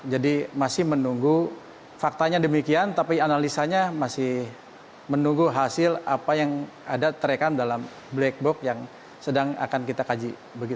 jadi masih menunggu faktanya demikian tapi analisanya masih menunggu hasil apa yang ada terakan dalam black box yang sedang akan kita kaji